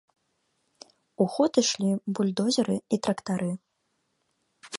У ход ішлі бульдозеры і трактары.